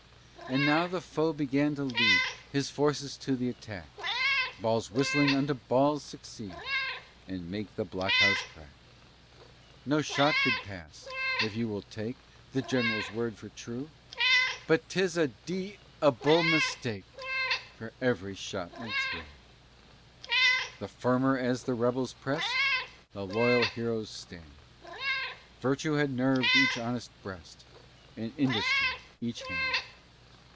And now the foe began to lead His forces to th' attack; Balls whistling unto balls succeed, And make the blockhouse crack. No shot could pass, if you will take The Gen'ral's word for true; But 'tis a d ble mistake, For ev'ry shot went thro'. The firmer as the rebels press'd, The loyal heroes stand; Virtue had nerv'd each honest breast, And industry each hand.